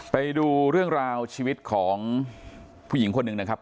ไปดูเรื่องราวชีวิตของผู้หญิงคนหนึ่งนะครับ